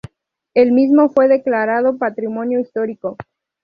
El mismo fue declarado patrimonio histórico.